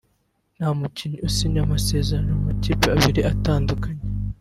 nta mukinnyi usinya amasezerano mu makipe abiri atandukanye